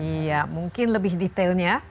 ya mungkin lebih detailnya